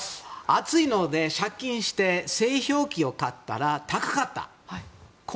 暑いので、借金して製氷機を買ったら高かった。